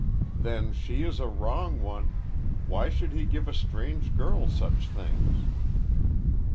"Then she is a wrong one! Why should he give a strange girl such things?"